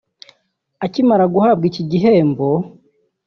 Akimara guhabwa iki gihembo